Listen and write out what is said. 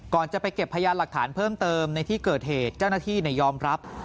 ก่อนจะไปเก็บพยานหลักฐานเพิ่มเติมในที่เกิดเหตุเจ้าหน้าที่ยอมรับ